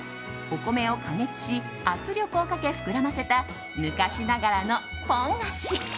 お米を加熱し圧力をかけ、膨らませた昔ながらのポン菓子。